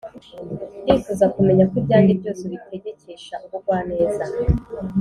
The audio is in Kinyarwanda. Ndifuza kumenya ko ibyanjye byose ubitegekesha ubugwaneza